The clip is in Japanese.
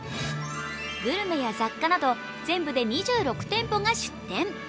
グルメや雑貨など全部で２６店舗が出店。